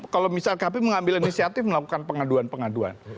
kalau misalkan kami mengambil inisiatif melakukan pengaduan pengaduan